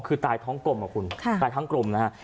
คือตายท้องกลมอ่ะคุณตายทั้งกลมนะฮะ